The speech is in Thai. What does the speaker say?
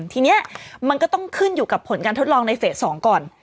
ทีนี้มันก็ต้องขึ้นอยู่กับผลการทดลองในเฟส๒ก่อน